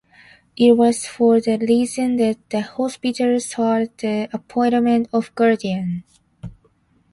It was for that reason that the hospital sought the appointment of a guardian.